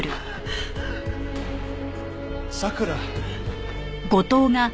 さくら。